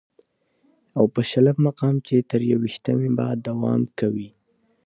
او په شلم مقام چې تر يوویشتمې به دوام کوي